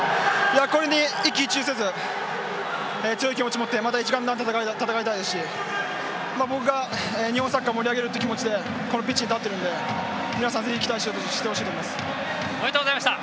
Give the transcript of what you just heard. これに一喜一憂せず強い気持ちを持ってまた一丸となって戦いたいですし僕が日本サッカーを盛り上げるという気持ちでこのピッチに立っているので皆さん、期待してほしいとおめでとうございました。